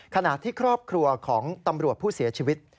ขณะที่ครอบครัวของตำรวจผู้เสียชีวิต